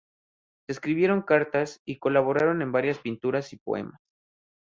Se escribieron cartas, y colaboraron en varias pinturas y poemas.